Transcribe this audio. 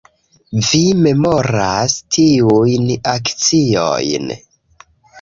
Vi memoras tiujn akciojn